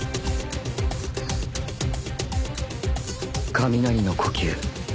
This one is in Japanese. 雷の呼吸